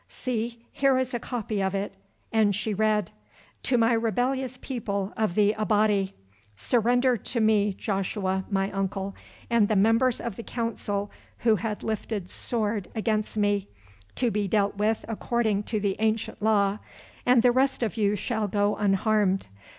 See, here is a copy of it," and she read— "To my rebellious People of the Abati: "Surrender to me Joshua, my uncle, and the members of the Council who have lifted sword against me, to be dealt with according to the ancient law, and the rest of you shall go unharmed.